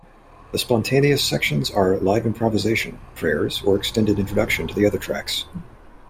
The "Spontaneous" sections are live improvisation, prayers, or extended introductions to the other tracks.